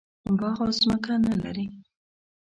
باغ او ځمکه نه لري.